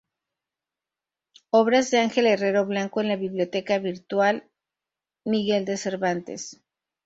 Obras de Ángel Herrero Blanco en la Biblioteca Virtual Miguel de Cervantes.